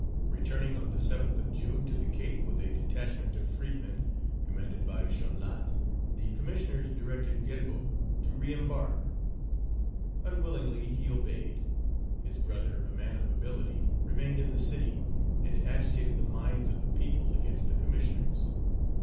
Returning on the 7th of June to the Cape with a detachment of freed men, commanded by Chanlatte, the Commissioners directed Galbaud to reëmbark. Unwillingly he obeyed. His brother, a man of ability, remained in the city, and agitated the minds of the people against the Commissioners.